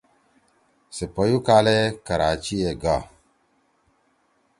سے پیُوک کالے کراچی ئے گا۔